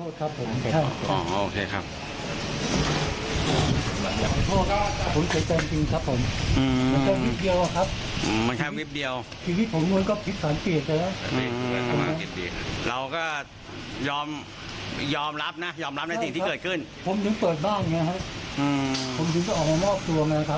ได้ไงฮะผมถึงจะออกมามอบตัวไงครับ